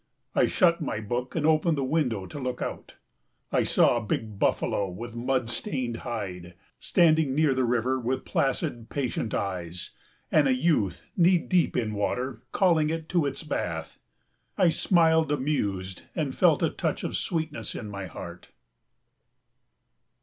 I shut my book and opened the window to look out. I saw a big buffalo with mud stained hide, standing near the river with placid, patient eyes; and a youth, knee deep in water, calling it to its bath. I smiled amused and felt a touch of sweetness in my heart.